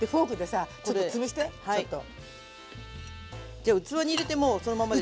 じゃ器に入れてもうそのままで？